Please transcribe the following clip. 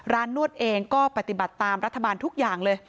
นวดเองก็ปฏิบัติตามรัฐบาลทุกอย่างเลย